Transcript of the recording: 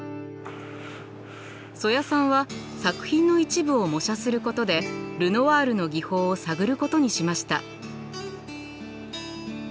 曽谷さんは作品の一部を模写することでルノワールの技法を探ることにしました。